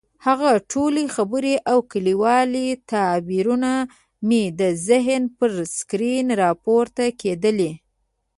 هغه ټولې خبرې او کلیوال تعبیرونه مې د ذهن پر سکرین راپورته کېدلې.